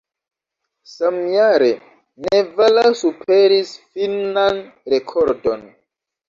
Samjare Nevala superis finnan rekordon.